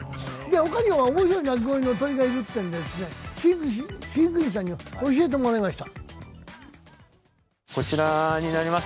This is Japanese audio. ほかにも面白い鳴き声の鳥がいるっていうんで、飼育員さんに教えてもらいました。